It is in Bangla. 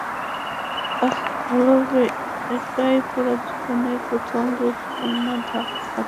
আহ ভালভাবে টাই পড়া জীবনের প্রথম গুরুত্বপূর্ণ ধাপ, বাচ্চা।